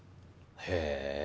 へえ。